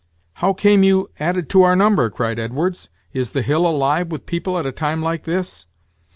"How came you added to our number?" cried Edwards. "Is the hill alive with people at a time like this?"